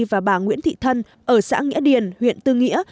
và bà nguyễn thị thân ở xã nghĩa điền huyện tư nghĩa